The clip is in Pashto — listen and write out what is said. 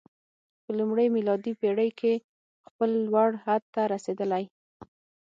په لومړۍ میلادي پېړۍ کې خپل لوړ حد ته رسېدلی.